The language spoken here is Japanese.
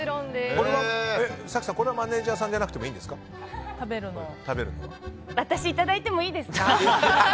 早紀さん、これはマネジャーさんじゃなくて私、いただいてもいいですか。